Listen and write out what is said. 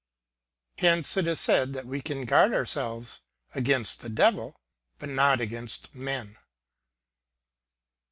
Hence it is said that we can guard ourselves against the Devil, but not against men.